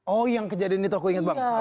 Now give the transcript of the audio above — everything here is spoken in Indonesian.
oh yang kejadian itu aku inget bang